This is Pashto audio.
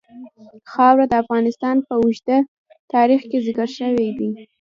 خاوره د افغانستان په اوږده تاریخ کې ذکر شوی دی.